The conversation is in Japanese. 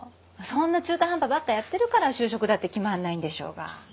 そんな中途半端ばっかやってるから就職だって決まんないんでしょうが。